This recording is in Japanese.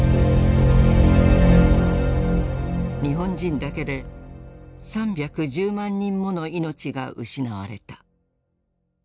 日本人だけで３１０万人もの命が失われた。